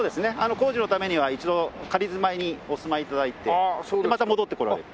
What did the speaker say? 工事のためには一度仮住まいにお住まい頂いてまた戻って来られる。